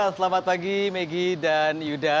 selamat pagi maggie dan yuda